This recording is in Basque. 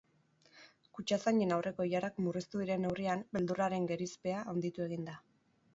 Kutxazainen aurreko ilarak murriztu diren neurrian, beldurraren gerizpea handitu egin da.